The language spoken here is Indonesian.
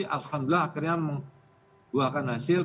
alhamdulillah akhirnya mengeluarkan hasil